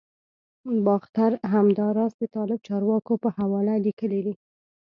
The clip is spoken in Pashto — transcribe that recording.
باختر همداراز د طالب چارواکو په حواله لیکلي